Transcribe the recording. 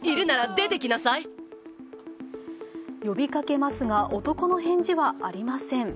呼びかけますが男の返事はありません。